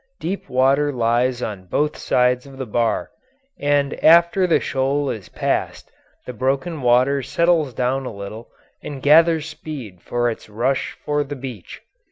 Deep water lies on both sides of the bar, and after the shoal is passed the broken water settles down a little and gathers speed for its rush for the beach.